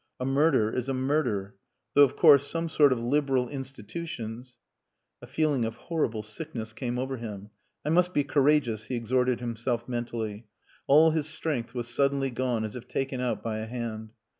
"A murder is a murder. Though, of course, some sort of liberal institutions...." A feeling of horrible sickness came over him. "I must be courageous," he exhorted himself mentally. All his strength was suddenly gone as if taken out by a hand.